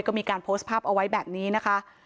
ก็มีการโพสต์ภาพเอาไว้แบบนี้นะคะ